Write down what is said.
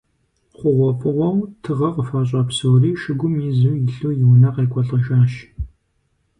ХъугъуэфӀыгъуэу тыгъэ къыхуащӀа псори шыгум изу илъу, и унэ къекӀуэлӀэжащ.